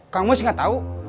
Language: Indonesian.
kang mus gak tahu